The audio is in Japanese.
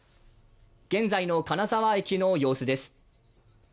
現在の金沢駅の様子です。